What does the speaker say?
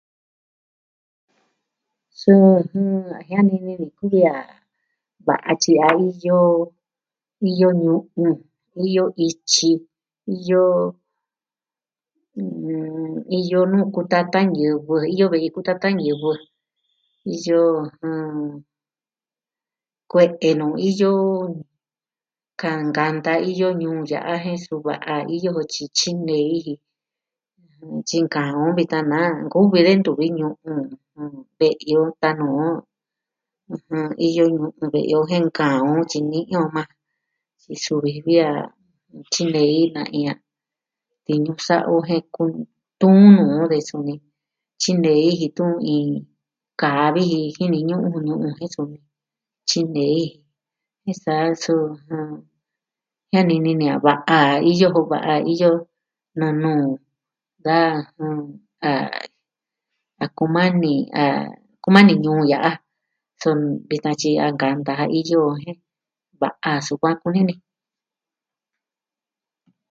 Suu, jɨn... jianini ni kuvi a va'a tyi a iyo, iyo ñu'un, iyo ityi, iyo nuu kutatan ñivɨ, iyo ve'i kutatan ñivɨ, iyo, jɨn... kue'e nu iyo... kaa nkanta iyo ñuu ya'a jen suva'a iyo ve'i tyi tyinei yɨ. jɨn. Tyi kaan o vitan na nkuvi de ntuvi ñu'un. Tee yoo tanu'u. Iyo ñu'un ve'i yoo jen nkaa o tyi niyo maa. Jin suvi ji vi a tyinei da na'i a tiñu sa'a o jen kun tɨɨn nuu ve suni tyinei jitu iin kaa viji jini ñu'un ñuu jen suu tyinei, jen sa suu... jianini ni a va'a iyo kuva'a iyo nuu nuu da, a... a kumani a... kumani ñuu su vitan tyi ankanta ja iyo jen ya'a sukuan kunini.